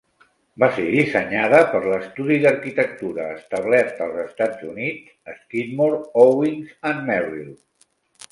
Va ser dissenyada per l'estudi d'arquitectura establert als Estats Units Skidmore, Owings and Merrill.